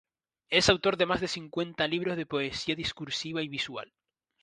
Es autor de más de cincuenta libros de poesía discursiva y visual.